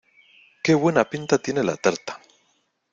¡Que buena pinta tiene la tarta!